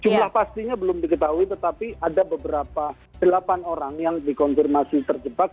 jumlah pastinya belum diketahui tetapi ada beberapa delapan orang yang dikonfirmasi terjebak